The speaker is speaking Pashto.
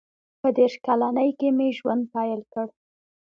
• په دېرش کلنۍ کې مې ژوند پیل کړ.